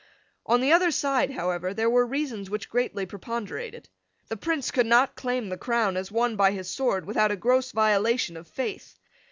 On the other side, however, there were reasons which greatly preponderated. The Prince could not claim the crown as won by his sword without a gross violation of faith.